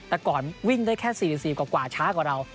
แต่ก่อนวิ่งได้แค่๔๔กว่าช้ากว่าเรา